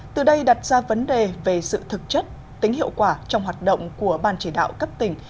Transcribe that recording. từ đây đặt ra vấn đề về sự thực chất tính hiệu quả trong hoạt động của ban chỉ đạo cấp tỉnh